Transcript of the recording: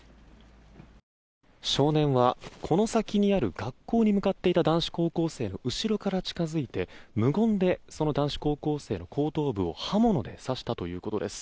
少年はこの先にある学校に向かっていた男子高校生の後ろから近づいて無言でその男子高校生の後頭部を刃物で刺したということです。